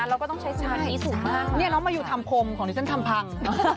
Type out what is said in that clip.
เราก็ต้องใช้สมาธิสูงมากนี่น้องมายูทำคมของนี่ฉันทำพัง